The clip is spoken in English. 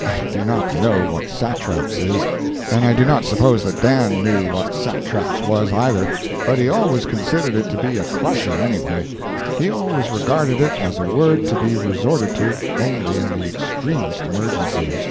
I do not know what satraps is, and I do not suppose that Dan knew what satraps was, either, but he always considered it to be a crusher, anyway. He always regarded it as a word to be resorted to only in the extremest emergencies.